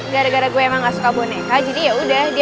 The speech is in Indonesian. gara gara gue emang gak suka boneka gue